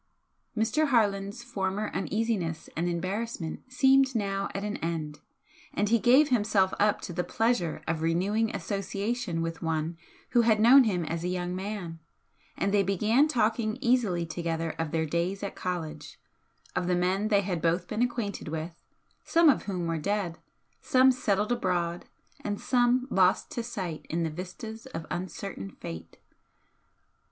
Mr. Harland's former uneasiness and embarrassment seemed now at an end, and he gave himself up to the pleasure of renewing association with one who had known him as a young man, and they began talking easily together of their days at college, of the men they had both been acquainted with, some of whom were dead, some settled abroad and some lost to sight in the vistas of uncertain fate.